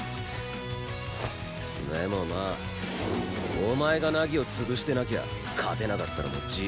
でもまあお前が凪を潰してなきゃ勝てなかったのも事実だし。